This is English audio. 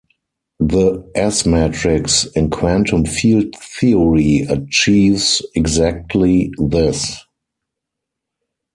The S-matrix in quantum field theory achieves exactly this.